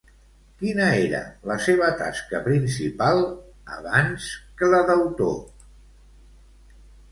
Quina era la seva tasca principal, abans que la d'autor?